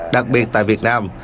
đặc biệt tại việt nam